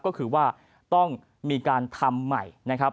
ก็คือว่าต้องมีการทำใหม่นะครับ